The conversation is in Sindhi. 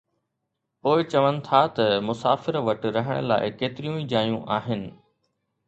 پوءِ چون ٿا ته مسافر وٽ رهڻ لاءِ ڪيتريون ئي جايون آهن